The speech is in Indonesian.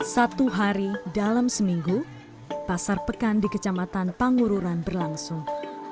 satu hari dalam seminggu pasar pekan di kecamatan pangururan berlangsung